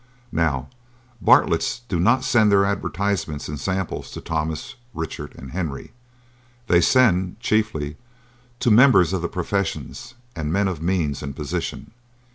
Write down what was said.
Now, Bartletts do not send their advertisements and samples to Thomas, Richard and Henry. They send, chiefly, to members of the professions and men of means and position.